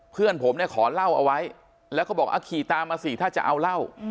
เพื่อนผมเนี่ยขอเหล้าเอาไว้แล้วก็บอกขี่ตามมาสิถ้าจะเอาเหล้า